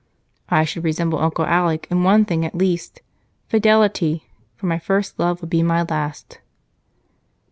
"I should resemble Uncle Alec in one thing at least fidelity, for my first love would be my last."